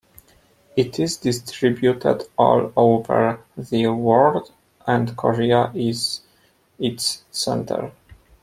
It is distributed all over the world and Korea is its center.